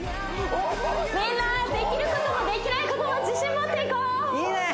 みんなできることもできないことも自信持っていこういいね！